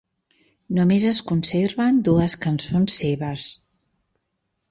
Només es conserven dues cançons seves.